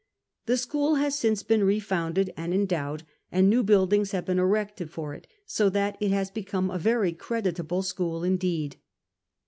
The school has since been refounded and endowed and new buildings have been erected for it, so* that it has become a very creditable school indeed.